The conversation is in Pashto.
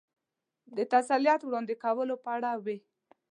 د تسلیت وړاندې کولو په اړه وې.